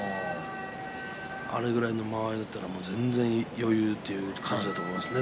あれぐらいの間合いでしたら全然、余裕の感じだと思います。